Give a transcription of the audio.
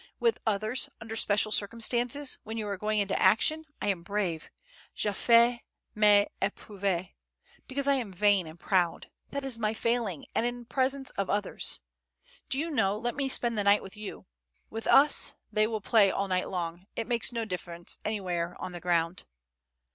With others, under special circumstances, when you are going into action, I am brave, j'ai fait mes epreuves, because I am vain and proud: that is my failing, and in presence of others. ... Do you know, let me spend the night with you: with us, they will play all night long; it makes no difference, anywhere, on the ground."